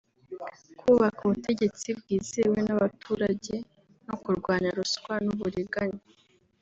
kubaka ubutegetsi bwizewe n’abaturage no kurwanya ruswa n’uburiganya